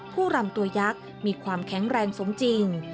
รำตัวยักษ์มีความแข็งแรงสมจริง